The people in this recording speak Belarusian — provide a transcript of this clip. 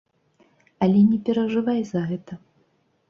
Але не перажывай за гэта.